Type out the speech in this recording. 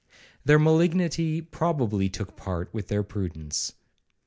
Their malignity probably took part with their prudence.